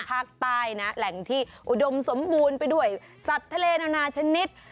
ภาคใต้นะแหล่งที่อุดมสมบูรณ์ไปด้วยสัตว์ทะเลนานาชนิด